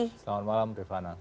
selamat malam bifana